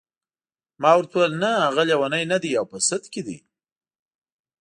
ما ورته وویل نه هغه لیونی نه دی او په سد کې دی.